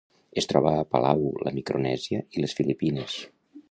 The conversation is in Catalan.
Es troba a Palau, la Micronèsia i les Filipines.